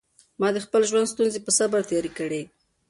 ما د خپل ژوند ستونزې په صبر تېرې کړې.